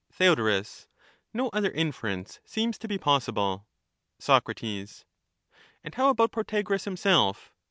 Theod, No other inference seems to be possible. Soc, And how about Protagoras himself?